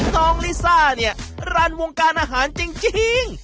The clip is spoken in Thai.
น้องลิซ่าเนี่ยรันวงการอาหารจริง